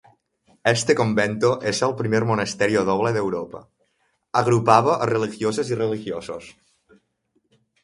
Este convento es el primer monasterio doble de Europa: agrupaba a religiosas y religiosos.